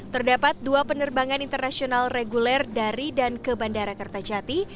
terdapat dua penerbangan internasional reguler dari dan ke bandara kertajati